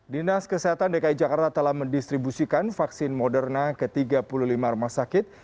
dinas kesehatan dki jakarta telah mendistribusikan vaksin moderna ke tiga puluh lima rumah sakit